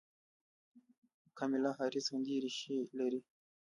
کاملا هاریس هندي ریښې لري.